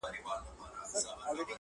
• ایله عقل د کومول ورغی سرته,